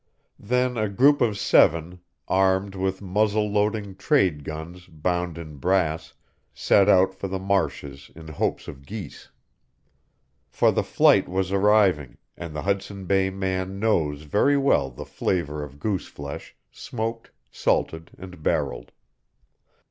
Then a group of seven, armed with muzzle loading "trade guns" bound in brass, set out for the marshes in hopes of geese. For the flight was arriving, and the Hudson Bay man knows very well the flavor of goose flesh, smoked, salted, and barrelled.